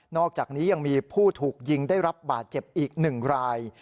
อกจากนี้ยังมีผู้ถูกยิงได้รับบาดเจ็บอีก๑ราย